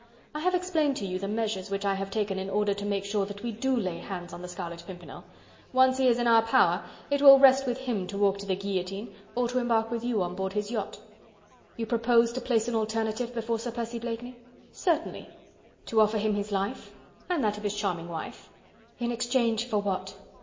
"I have explained to you the measures which I have taken in order to make sure that we DO lay hands on the Scarlet Pimpernel. Once he is in our power, it will rest with him to walk to the guillotine or to embark with you on board his yacht." "You propose to place an alternative before Sir Percy Blakeney?" "Certainly." "To offer him his life?" "And that of his charming wife." "In exchange for what?"